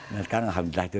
nah sekarang alhamdulillah itu